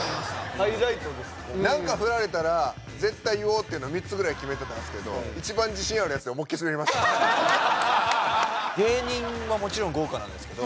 ハイライトです何か振られたら絶対言おうっていうのは３つぐらい決めてたんすけど一番自信あるやつで芸人はもちろん豪華なんですけど